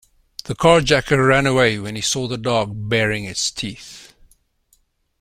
The carjacker ran away when he saw the dog baring its teeth.